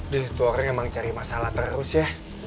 duh tuh orang emang cari masalah terus ya